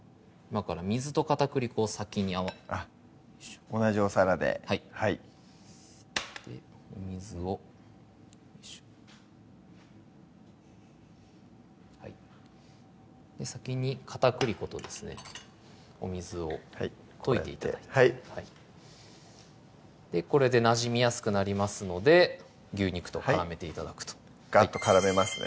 水と片栗粉を先に同じお皿ではいお水を先に片栗粉とですねお水を溶いて頂いてこれでなじみやすくなりますので牛肉と絡めて頂くとガッとからめますね